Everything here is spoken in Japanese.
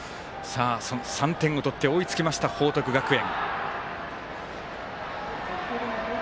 ３点を取って追いつきました、報徳学園。